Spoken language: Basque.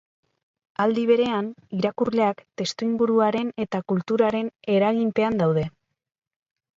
Aldi berean, irakurleak testuinguruaren eta kulturaren eraginpean daude.